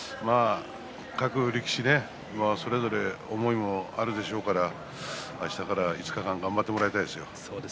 各力士はそれぞれの思いもあるでしょうから、あしたから５日間頑張ってもらいたいですよ。